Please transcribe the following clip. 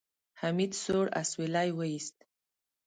حميد سوړ اسويلی وېست.